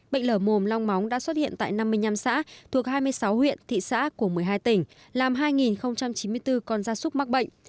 bệnh lở mồm long móng đã xuất hiện tại năm mươi năm xã thuộc hai mươi sáu huyện thị xã của một mươi hai tỉnh làm hai chín mươi bốn con da súc mắc bệnh